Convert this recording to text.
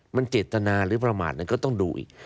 มันเจตนาหรือประมาทนั้นก็ต้องดูอีก